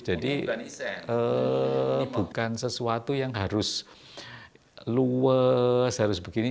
jadi bukan sesuatu yang harus luwes harus begini